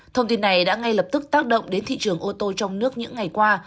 thông tin này đã ngay lập tức tác động đến thị trường ô tô trong nước những ngày qua